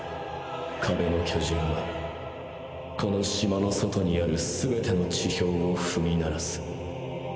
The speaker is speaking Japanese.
壁の巨人はこの島の外にあるすべての地表を踏み鳴らす。